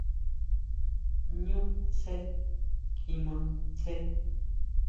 ¿ʼÑu sje kjimá ʼnsje?